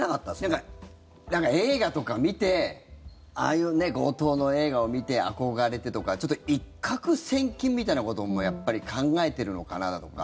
なんか映画とか見てああいう強盗の映画を見て憧れてとかちょっと一獲千金みたいなことも考えているのかなとか。